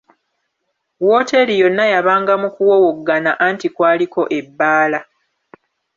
Wooteri yonna yabanga mu kuwowoggana anti kwaliko ebbaala!